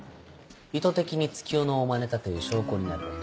意図的に月夜野をマネたという証拠になる。